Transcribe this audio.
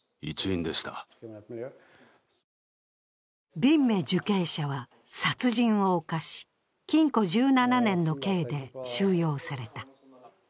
ビンメ受刑者は殺人を犯し、禁錮１７年の刑で収容された。